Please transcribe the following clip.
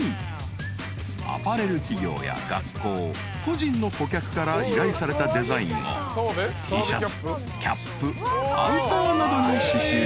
［アパレル企業や学校個人の顧客から依頼されたデザインをＴシャツキャップアウターなどに刺しゅう］